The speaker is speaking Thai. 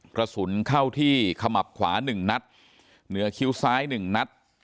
ประสุนเข้าที่ขมับขวา๑นัฑเหนือคิ้วสายหนึ่งทั้งนัฐ